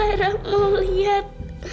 lara mau lihat